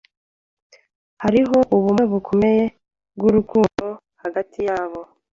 Hariho ubumwe bukomeye bwurukundo hagati yabo